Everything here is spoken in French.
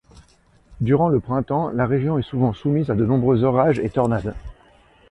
Durant le printemps la région est souvent soumise à de nombreux orages et tornades.